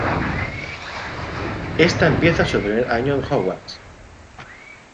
Ésta empieza su primer año en Hogwarts.